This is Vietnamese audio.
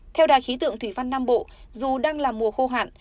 theo đài khí tượng thủy văn nam bộ dù đang là mùa khô hạn